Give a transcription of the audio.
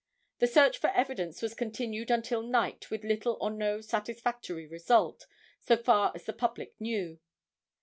The search for evidence was continued until night with little or no satisfactory result, so far as the public knew.